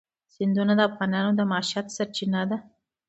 سیندونه د افغانانو د معیشت سرچینه ده.